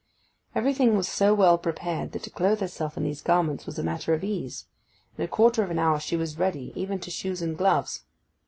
Everything was so well prepared, that to clothe herself in these garments was a matter of ease. In a quarter of an hour she was ready, even to shoes and gloves.